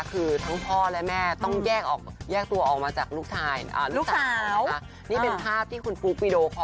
คือทั้งพ่อและแม่ต้องแยกตัวออกมาจากลูกสาวนี่เป็นภาพที่คุณฟลุ๊กวีดีโอคอ